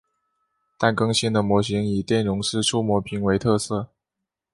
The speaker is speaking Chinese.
但更新的模型以电容式触摸屏为特色。